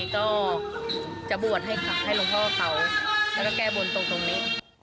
ก็จะบวชให้หลวงพ่อเขาแล้วก็แก้บนตรงนี้